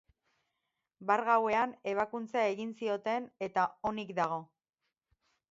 Bart gauean ebakuntza egin zioten, eta onik dago.